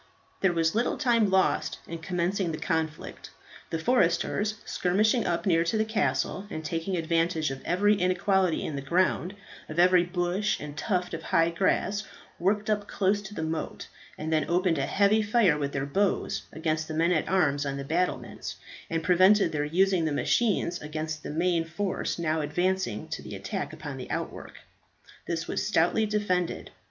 There was little time lost in commencing the conflict. The foresters, skirmishing up near to the castle, and taking advantage of every inequality in the ground, of every bush and tuft of high grass, worked up close to the moat, and then opened a heavy fire with their bows against the men at arms on the battlements, and prevented their using the machines against the main force now advancing to the attack upon the outwork. This was stoutly defended.